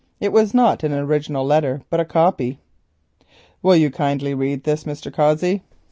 It was not an original letter, but a copy. "Will you kindly read this, Mr. Cossey?"